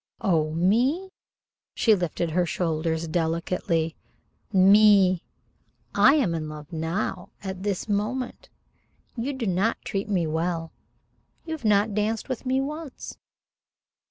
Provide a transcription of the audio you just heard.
"Oh! Me!" She lifted her shoulders delicately. "Me! I am in love now at this moment. You do not treat me well. You have not danced with me once."